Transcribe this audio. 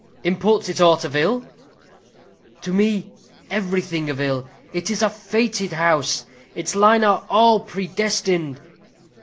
"Imports it aught of ill?" "To me, everything of ill. It is a fated house. Its line are all predestined."